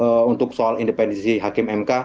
kemudian untuk soal independensi hakim mk